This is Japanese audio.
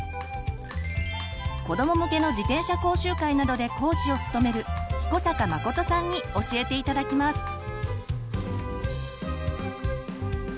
子ども向けの自転車講習会などで講師を務める彦坂誠さんに教えて頂きます。